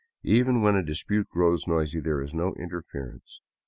Even when a dispute grows noisy, there is no interference.